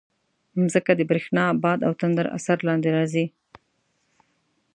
مځکه د برېښنا، باد او تندر اثر لاندې راځي.